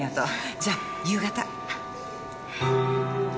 じゃあ夕方。